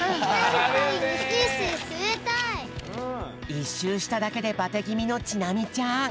１しゅうしただけでバテぎみのちなみちゃん。